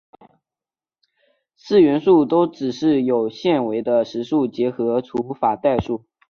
四元数都只是有限维的实数结合除法代数。